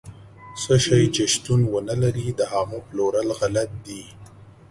څه شی چې شتون ونه لري، د هغه پلورل غلط دي.